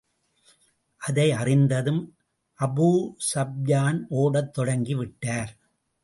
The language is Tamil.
அதை அறிந்ததும் அபூஸூப்யான் ஒடத் தொடங்கி விட்டார்.